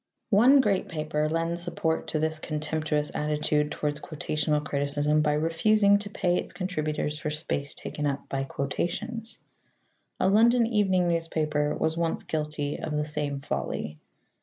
One great paper lends support to this contemptuous attitude towards quotational criticism by refusing to pay its contributors for space taken up by quotations. A London evening newspaper was once guilty of the same folly.